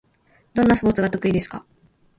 どんなスポーツが得意ですか？